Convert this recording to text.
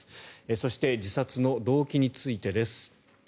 そして自殺の動機についてです。